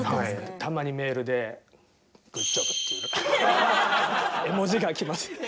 たまにメールで「グッジョブ！」っていう絵文字が来ます。